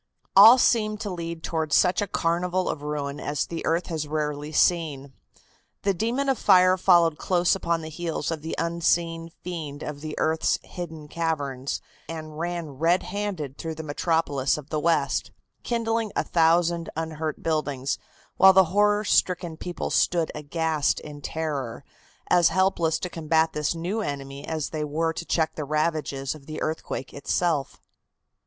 All seemed to lead towards such a carnival of ruin as the earth has rarely seen. The demon of fire followed close upon the heels of the unseen fiend of the earth's hidden caverns, and ran red handed through the metropolis of the West, kindling a thousand unhurt buildings, while the horror stricken people stood aghast in terror, as helpless to combat this new enemy as they were to check the ravages of the earthquake itself.